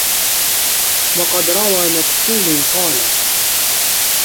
وَقَدْ رَوَى مَكْحُولٌ قَالَ